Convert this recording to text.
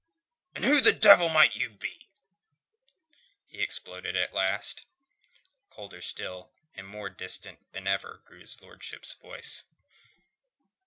"And who the devil may you be?" he exploded at last. Colder still and more distant than ever grew his lordship's voice.